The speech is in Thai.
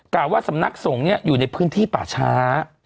่าว่าสำนักสงฆ์อยู่ในพื้นที่ป่าช้า